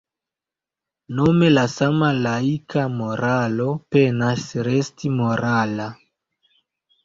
Nome la sama laika moralo penas resti morala.